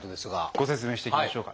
ご説明していきましょうか。